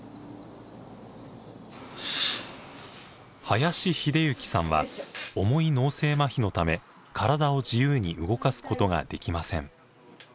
林英行さんは重い脳性まひのため体を自由に動かすことができません。